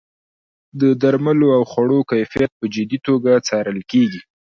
د درملو او خوړو کیفیت په جدي توګه څارل کیږي.